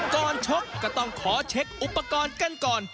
ชกก็ต้องขอเช็คอุปกรณ์กันก่อน